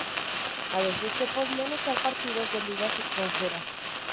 A veces se podían usar partidos de ligas extranjeras.